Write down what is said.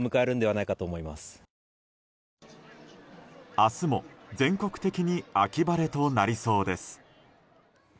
明日も全国的に秋晴れとなりそうです。